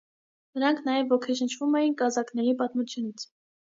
Նրանք նաև ոգեշնչվում էին կազակների պատմությունից։